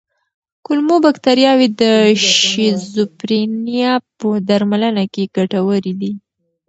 کولمو بکتریاوې د شیزوفرینیا په درملنه کې ګټورې دي.